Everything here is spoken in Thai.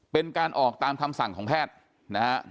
เป็นการออกตามคำสั่งของแพทย์นะครับ